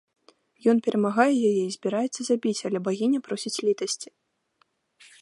Ён перамагае яе і збіраецца забіць, але багіня просіць літасці.